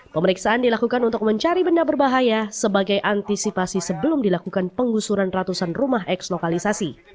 pemeriksaan dilakukan untuk mencari benda berbahaya sebagai antisipasi sebelum dilakukan penggusuran ratusan rumah eks lokalisasi